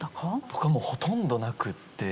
僕はもうほとんどなくて。